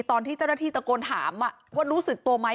ตอนที่เจ้าหน้าที่ตะโกนถามว่ารู้สึกตัวไหม